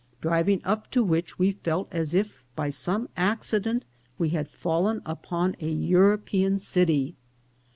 driving up to which we felt as if by some accident we had fallen upon a European city.